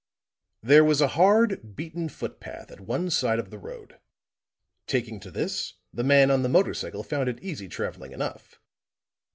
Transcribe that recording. There was a hard, beaten footpath at one side of the road; taking to this, the man on the motor cycle found it easy traveling enough.